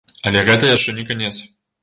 Але гэта яшчэ не канец.